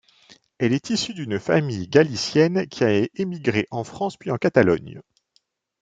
Elle est issue d'une famille galicienne qui a émigré en France puis en Catalogne.